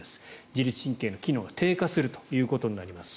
自律神経の機能が低下するということになります。